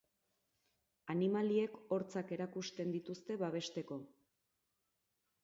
Animaliek hortzak erakusten dituzte babesteko.